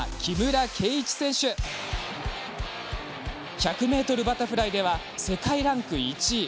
１００ｍバタフライでは世界ランク１位。